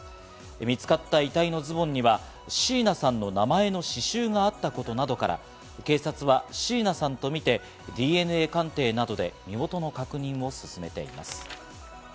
見つかった遺体のズボンには椎名さんの名前の刺繍があったことなどから、警察は椎名さんとみてＤＮＡ鑑定などで身元の確認を進めています。